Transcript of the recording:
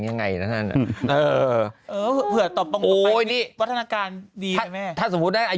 มากเรื่อยหลายรอบแล้ว